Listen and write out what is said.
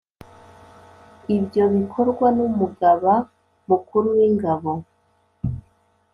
Ibyo bikorwa n’Umugaba Mukuru w’Ingabo